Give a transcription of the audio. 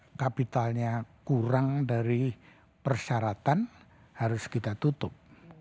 yang kapitalnya kurang dari persyaratan harus kita tutup